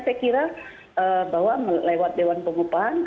saya kira bahwa lewat dewan pengupahan